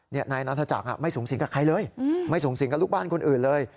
นายนัทจักรไม่สูงสิงกับใครเลยไม่สูงสิงกับลูกบ้านคนอื่นเลย